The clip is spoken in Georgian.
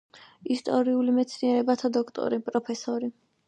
ისტორიულ მეცნიერებათა დოქტორი, პროფესორი.